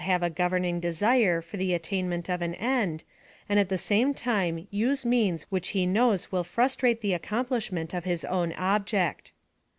l31 Iiave a governing desire for the attainment of an end, and at the same time use means which he knows will frustrate tlie accomplishment of his own object.